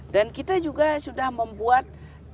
dan kita juga sudah membuat